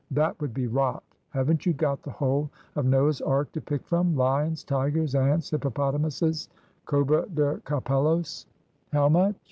"That would be rot. Haven't you got the whole of Noah's Ark to pick from lions, tigers, ants, hippopotamuses, cobra de capellos?" "How much?"